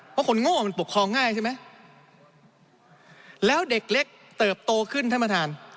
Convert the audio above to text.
เพราะคนโง่มันปกครองง่ายใช่ไหมแล้วเด็กเล็กเติบโตขึ้นท่านประธาน